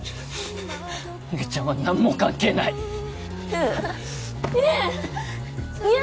姉ちゃんは何も関係ない優優！